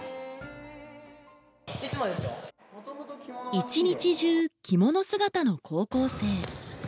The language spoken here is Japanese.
一日中着物姿の高校生。